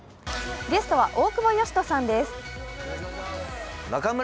ゲストは大久保嘉人さんです。